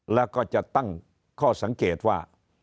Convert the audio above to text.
แล้วก็จะตั้งข้อสังเกตว่า